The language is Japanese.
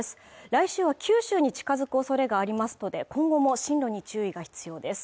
来週は九州に近づくおそれがありますので今後も進路に注意が必要です